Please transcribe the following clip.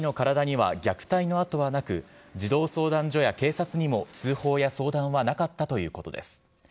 ２人の体には虐待の痕はなく、児童相談所や警察にも、通報や相談はなかったということです。